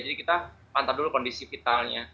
jadi kita pantau dulu kondisi vitalnya